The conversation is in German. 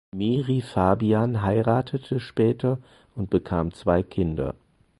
Miri Fabian heiratete später und bekam zwei Kinder.